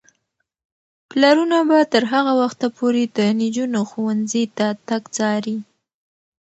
پلرونه به تر هغه وخته پورې د نجونو ښوونځي ته تګ څاري.